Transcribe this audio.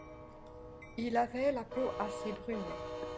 Il avait la peau assez brune (p.